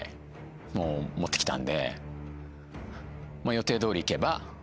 予定どおりいけば。